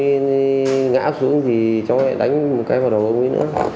sau ông ấy ngã xuống thì chú lại đánh một cái vào đầu ông ấy nữa